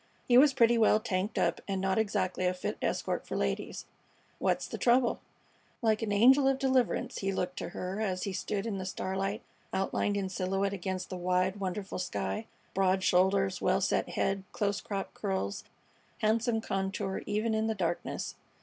He was pretty well tanked up and not exactly a fit escort for ladies. What's the trouble?" Like an angel of deliverance he looked to her as he stood in the starlight, outlined in silhouette against the wide, wonderful sky: broad shoulders, well set head, close cropped curls, handsome contour even in the darkness.